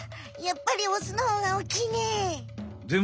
やっぱりオスのほうが大きいね。